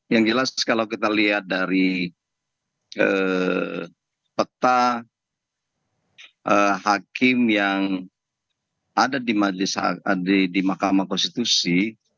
yang jelas kalau kita lihat dari peta hakim yang ada di mahkamah konstitusi